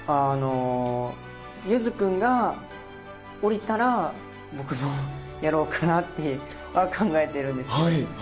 ゆづ君が降りたら僕もやろうかなって考えてるんですけど。